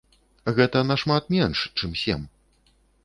Гэта нашмат менш, чым сем.